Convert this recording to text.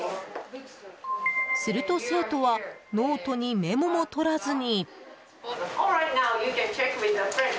すると生徒はノートにメモもとらずに。